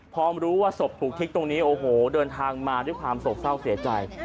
พอรู้ว่าศพถูกทิ้งตรงนี้โอ้โหเดินทางมาด้วยความโศกเศร้าเสียใจ